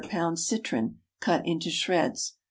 citron, cut into shreds.